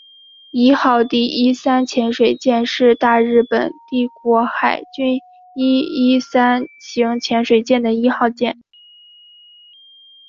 伊号第一三潜水舰是大日本帝国海军伊一三型潜水艇的一号舰。